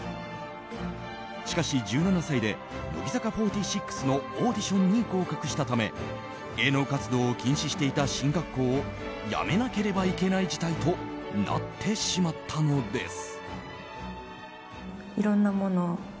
しかし、１７歳で乃木坂４６のオーディションに合格したため芸能活動を禁止していた進学校を辞めなければいけない事態となってしまったのです。